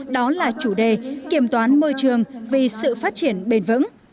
đó là chủ đề kiểm toán môi trường vì sự phát triển bền vững